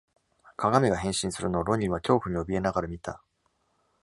鏡が変身するのを、ロニーは恐怖におびえながら見た。